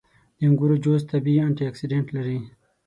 • د انګورو جوس طبیعي انټياکسیدنټ لري.